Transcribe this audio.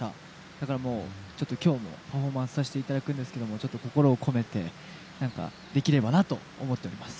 だから、今日もパフォーマンスさせていただくんですけど心を込めてできればなと思っています。